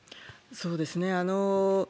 そうですね。